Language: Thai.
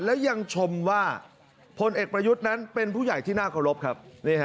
และยังชมว่าพลเอกประยุทธ์นั้นเป็นผู้ใหญ่ที่น่าเคารพครับ